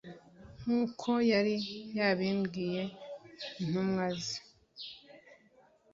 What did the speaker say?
nk'uko yari yabibwiye intumwa ze